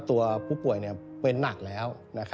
ตัวผู้ป่วยเป็นหนักแล้ว